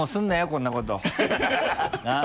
こんなことなぁ？